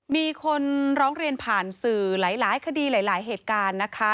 มีคนร้องเรียนผ่านสื่อหลายคดีหลายเหตุการณ์นะคะ